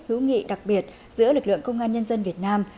hữu nghị đặc biệt giữa lực lượng công an nhân dân việt nam